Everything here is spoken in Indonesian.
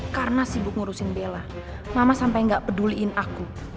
karena sibuk ngurusin bella mama sampai gak peduliin aku